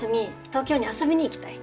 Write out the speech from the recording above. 東京に遊びに行きたい。